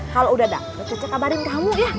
kalau udah da cicek kabarin kamu ya